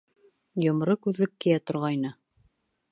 Йомро күҙлек кейә торғайны.